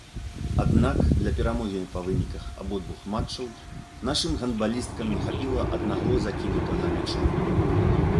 Аднак для перамогі па выніках абодвух матчаў нашым гандбалісткам не хапіла аднаго закінутага мяча.